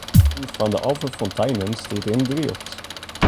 Ien fan de alve fonteinen stiet yn Drylts.